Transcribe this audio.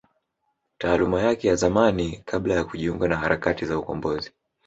Taaluma yake ya zamani kabla ya kujiunga na harakati za ukombozi